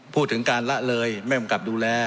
พูดถึงการละเลยไม่กำกับดูแล